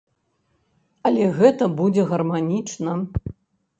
Але гэта будзе гарманічна.